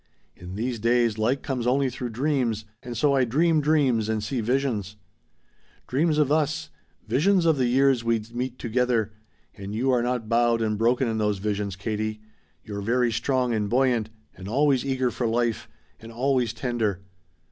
In these days light comes only through dreams, and so I dream dreams and see visions. "Dreams of us visions of the years we'd meet together. And you are not bowed and broken in those visions, Katie. You're very strong and buoyant and always eager for life and always tender.